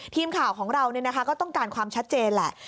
ทีมข่าวของเราก็ต้องการความชัดเจนแหละ